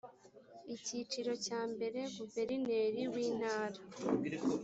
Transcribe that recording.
icyiciro cya mbere guverineri w intara